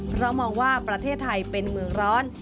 เพราะมองว่าประเทศไทยเป็นเมืองร้อน